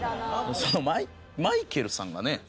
マイケルさんがねえ。